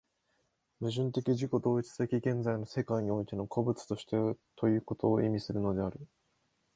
矛盾的自己同一的現在の世界においての個物としてということを意味するのである。